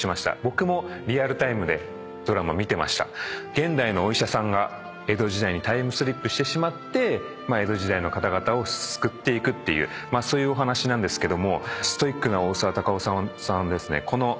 現代のお医者さんが江戸時代にタイムスリップして江戸時代の方々を救っていくっていうそういうお話なんですけども。